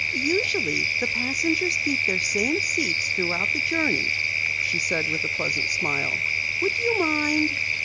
"Usually the passengers keep their same seats throughout the journey," she said with a pleasant smile. "Would you mind?"